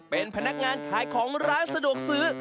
เป็นพนักงานขายของร้านสะดวกซื้อ